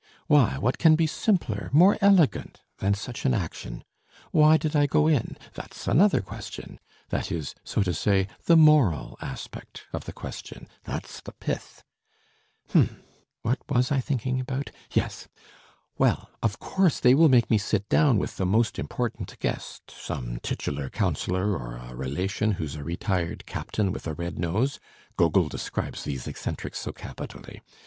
"Why, what can be simpler, more elegant than such an action? Why did I go in? That's another question! That is, so to say, the moral aspect of the question. That's the pith. "H'm, what was I thinking about, yes! "Well, of course they will make me sit down with the most important guest, some titular councillor or a relation who's a retired captain with a red nose. Gogol describes these eccentrics so capitally.